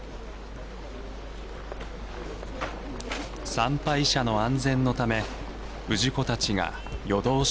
参拝者の安全のため氏子たちが夜通し